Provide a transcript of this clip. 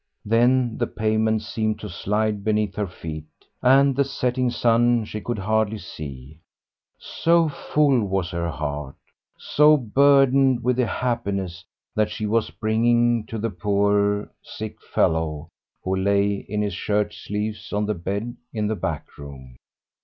Then the pavement seemed to slide beneath her feet, and the setting sun she could hardly see, so full was her heart, so burdened with the happiness that she was bringing to the poor sick fellow who lay in his shirt sleeves on the bed in the back room.